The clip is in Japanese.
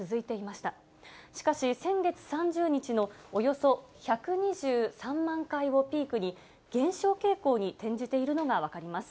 しかし、先月３０日のおよそ１２３万回をピークに、減少傾向に転じているのが分かります。